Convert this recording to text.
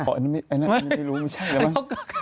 อ๋ออันนั้นไม่รู้ไม่ใช่หรือเปล่า